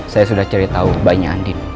saya sudah cerita bainya andin